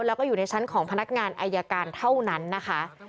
แล้วก็อยู่ในชั้นของพนักงานอายการเท่านั้นนะคะ